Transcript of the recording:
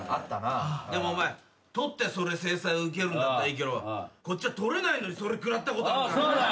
でもお前取ってそれ制裁を受けるんだったらいいけどこっちは取れないのにそれ食らったことあるからな。